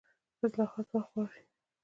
اصلاحات وخت غواړي